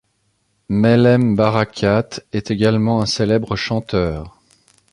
Melhem Barakat est également un célèbre chanteur.